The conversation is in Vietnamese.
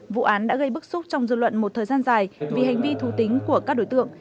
vụ án đã gây bức xúc trong dư luận một thời gian dài vì hành vi thù tính của các đối tượng